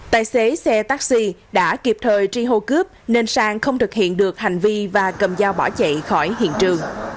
tài xế xe taxi đã kịp thời tri hô cướp nên sang không thực hiện được hành vi và cầm dao bỏ chạy khỏi hiện trường